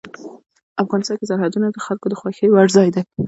افغانستان کې سرحدونه د خلکو د خوښې وړ ځای دی.